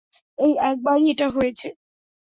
এই একবারই এটা হয়েছে।